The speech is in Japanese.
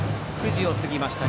９時を過ぎました。